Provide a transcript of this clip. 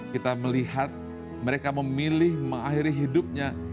kita melihat mereka memilih mengakhiri hidupnya